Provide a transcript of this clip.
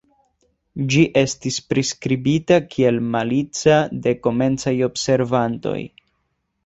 Ĝi estis priskribita kiel "malica" de komencaj observantoj.